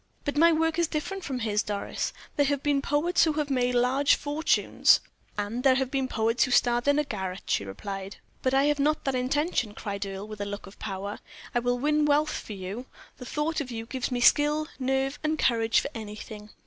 "But my work is different from his, Doris. There have been poets who have made large fortunes." "And there have been poets who starved in a garret," she replied. "But I have not that intention," cried Earle, with a look of power. "I will win wealth for you the thought of you gives me skill, nerve, and courage for anything.